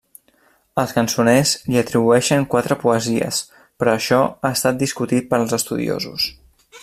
Els cançoners li atribueixen quatre poesies, però això ha estat discutit pels estudiosos.